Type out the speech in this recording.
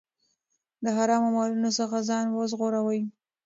د حرامو مالونو څخه ځان وژغورئ.